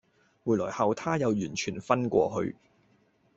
回來後她又完全昏過去